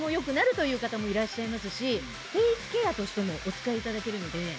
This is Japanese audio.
という方もいらっしゃいますしフェースケアとしてもお使いいただけるので。